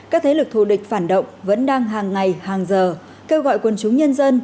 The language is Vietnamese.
các thế lực thù địch phản động vẫn đang hàng ngày hàng giờ kêu gọi quân chúng nhân dân